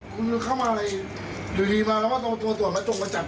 อยู่ดีมาร่วมครับ